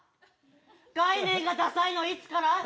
概念がださいのいつから？